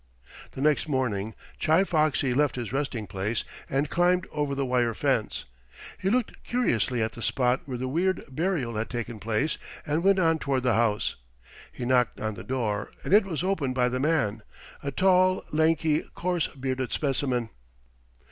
The next morning Chi Foxy left his resting place and climbed over the wire fence. He looked curiously at the spot where the weird burial had taken place, and went on toward the house. He knocked on the door, and it was opened by the man a tall, lanky, coarse bearded specimen.